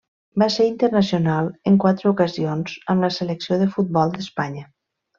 Va ser internacional en quatre ocasions amb la selecció de futbol d'Espanya.